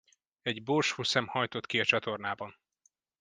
Egy borsószem hajtott ki a csatornában!